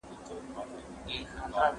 د دوستۍ درته لرمه پیغامونه